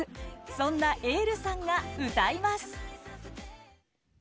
そんなｅｉｌｌさんが歌います！